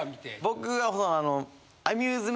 僕は。